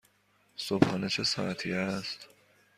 صبحانه چه ساعتی است؟